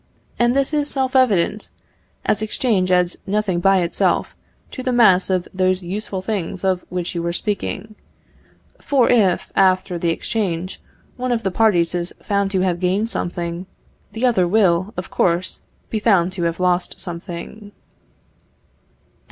And this is self evident, as exchange adds nothing by itself to the mass of those useful things of which you were speaking; for if, after the exchange, one of the parties is found to have gained something, the other will, of course, be found to have lost something.